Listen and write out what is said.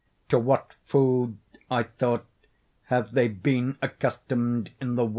"To what food," I thought, "have they been accustomed in the well?"